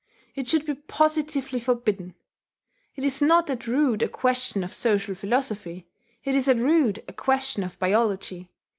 It should be positively forbidden. It is not at root a question of social philosophy. It is at root a question of biology.